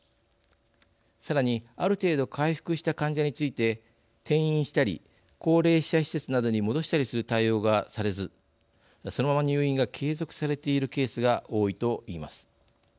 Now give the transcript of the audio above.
さらにある程度回復した患者について転院したり高齢者施設などに戻したりする対応がされずそのまま入院が継続されているケースが多いといいます。